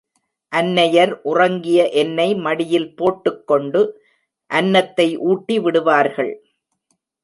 அன்னயார், உறங்கிய என்னை மடியில் போட்டுக்கொண்டு அன்னத்தை ஊட்டுவார்கள்.